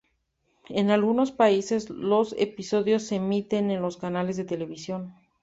En algunos países, los episodios se emiten en los canales de televisión.